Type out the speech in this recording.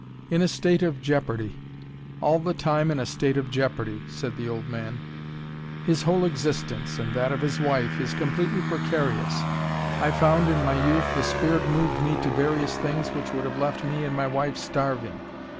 "In a state of jeopardy: all the time in a state of jeopardy," said the old man. "His whole existence, and that of his wife, is completely precarious. I found, in my youth, the spirit moved me to various things which would have left me and my wife starving.